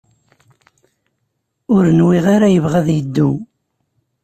Ur nwiɣ ara yebɣa ad yeddu.